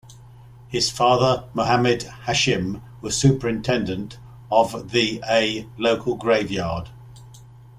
His father, Muhammad Hashim, was superintendent of the a local Graveyard.